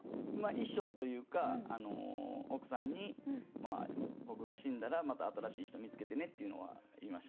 遺書というか奥さんに「僕が死んだらまた新しい人見つけてね」っていうのは言いましたね。